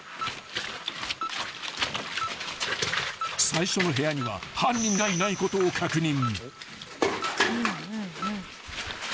［最初の部屋には犯人がいないことを確認］